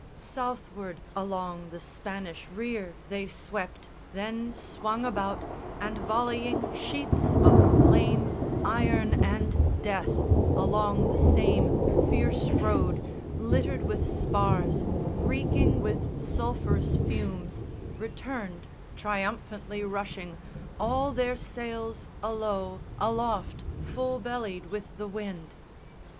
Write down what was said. Southward, along the Spanish rear they swept, Then swung about, and volleying sheets of flame, Iron, and death, along the same fierce road Littered with spars, reeking with sulphurous fumes, Returned, triumphantly rushing, all their sails Alow, aloft, full bellied with the wind.